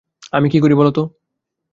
আমি কী করি বলো তো।